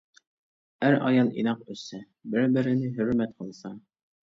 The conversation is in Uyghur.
ئەر ئايال ئىناق ئۆتسە، بىر بىرىنى ھۆرمەت قىلسا.